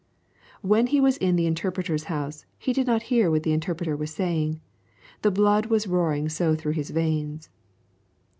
When he was in the Interpreter's House he did not hear what the Interpreter was saying, the blood was roaring so through his veins.